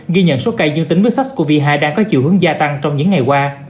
ghi nhận số ca dương tính với sars cov hai đang có chiều hướng gia tăng trong những ngày qua